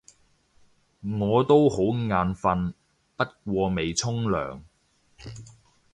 我都好眼瞓，不過未沖涼